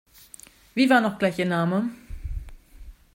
Wie war noch gleich Ihr Name?